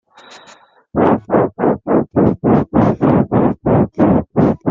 Promenade à l'intérieur du cimetière parisien du Père-Lachaise.